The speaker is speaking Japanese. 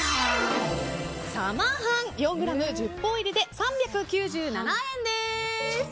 サマハン、４ｇ×１０包入りで３９７円です。